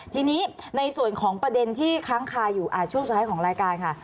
ทีนี้ในส่วนของประเด็นที่ค้างคาอยู่ช่วงท้ายของรายการค่ะ